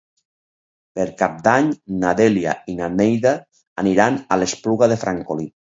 Per Cap d'Any na Dèlia i na Neida aniran a l'Espluga de Francolí.